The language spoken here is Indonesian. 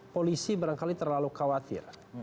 polisi barangkali terlalu khawatir